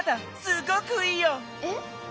すごくいいよ！え？